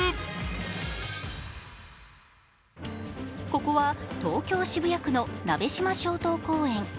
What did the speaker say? ここは東京・渋谷区の鍋島松濤公園。